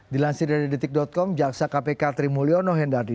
dilansir dari detik com jaksa kpk trimulyono hendardi